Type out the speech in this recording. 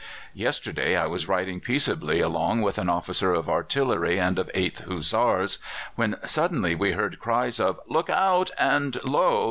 "Yesterday I was riding peaceably along with an officer of artillery and of 8th Hussars, when suddenly we heard cries of 'Look out!' and lo!